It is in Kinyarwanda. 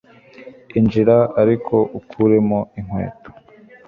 injira ariko ukuremo inkweto